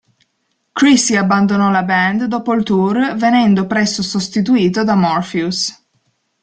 Chrissy abbandonò la band dopo il tour venendo presto sostituito da Morpheus.